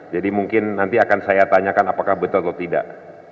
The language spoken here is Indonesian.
jadi mungkin nanti akan saya tanyakan apakah betul atau tidak